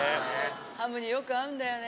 ハムによく合うんだよね。